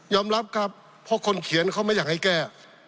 รับครับเพราะคนเขียนเขาไม่อยากให้แก้